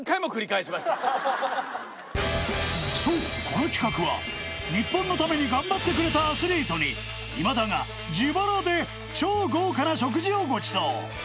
この企画は日本のためにがんばってくれたアスリートに今田が自腹で超豪華な食事をごちそう！